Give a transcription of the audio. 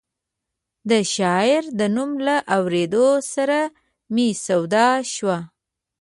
د شاعر د نوم له اورېدو سره مې سودا شوه.